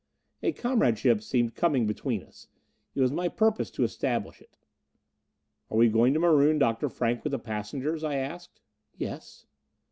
A comradeship seemed coming between us. It was my purpose to establish it. "Are we going to maroon Dr. Frank with the passengers?" I asked. "Yes."